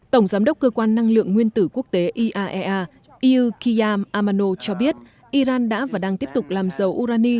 tổng giám đốc cơ quan năng lượng nguyên tử quốc tế iaea iyukiyam amano cho biết iran đã và đang tiếp tục làm dầu urani